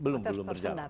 belum belum berjalan